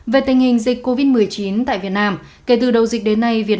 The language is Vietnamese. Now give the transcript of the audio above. về tình hình dịch covid một mươi chín tại việt nam kể từ đầu dịch đến nay